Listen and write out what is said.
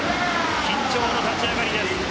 緊張の立ち上がりです。